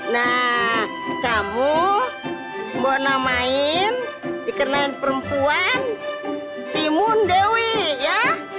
nah kamu mau namain dikenalin perempuan timun dewi ya